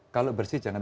kalau bersih jangan